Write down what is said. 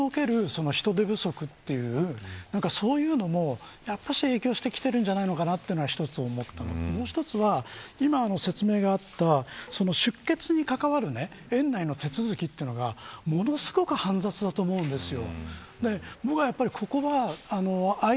病院における人手不足というそういうのも影響してきてるんじゃないかなというのともう一つは、今説明があった出欠に関わる園内の手続きというのがものすごく煩雑だと思うんですよ。